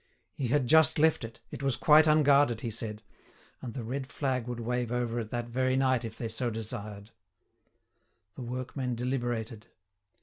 He had just left it, it was quite unguarded, he said, and the red flag would wave over it that very night if they so desired. The workmen deliberated.